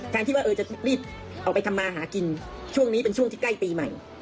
ที่ว่าจะรีบออกไปทำมาหากินช่วงนี้เป็นช่วงที่ใกล้ปีใหม่